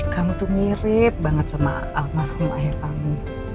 kamu tuh mirip banget sama almarhum ayah kamu